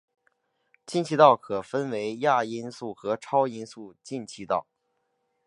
进气道可分为亚音速和超音速进气道。